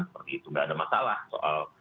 seperti itu nggak ada masalah soal